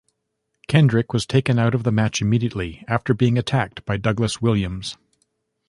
Kendrick was taken out of the match immediately, after being attacked by Douglas Williams.